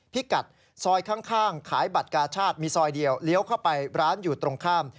พิกัดซอยข้างขายบัตรกาชาติมีซอยเดียวเลี้ยวเข้าไปร้านอยู่ตรงข้าม